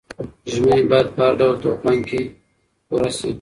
ژمنې باید په هر ډول طوفان کې پوره شي.